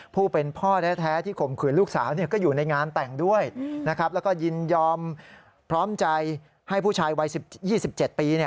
ผู้เป็นพ่อแท้ที่ข่มขืนลูกสาวก็อยู่ในงานแต่งด้วยแล้วก็ยินยอมพร้อมใจให้ผู้ชายวัย๑๒๗ปี